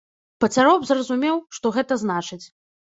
Пацяроб зразумеў, што гэта значыць.